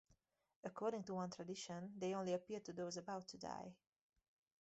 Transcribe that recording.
According to one tradition, they only appear to those about to die.